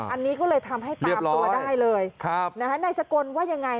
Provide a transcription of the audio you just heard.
อันนี้ก็เลยทำให้ตามตัวได้เลยครับนะฮะนายสกลว่ายังไง